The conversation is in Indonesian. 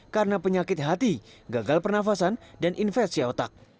karena penyakit hati gagal pernafasan dan infeksi otak